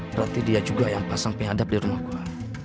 berarti dia juga yang pasang penyadap di rumah gue